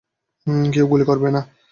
কেউ গুলি করবে না।